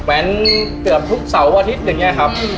แว้นเกือบทุกเสาร์อาทิตย์อย่างนี้ครับ